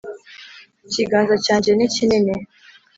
ikiganza cyanjye ni kinini,